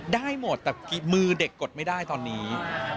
ได้หมดแต่มือเด็กกดไม่ได้ตอนนี้